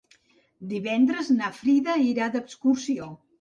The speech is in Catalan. Divendres na Frida irà d'excursió.